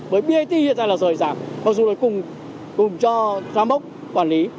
với brt hiện tại là rời rạng mặc dù nó cùng cho giám bốc quản lý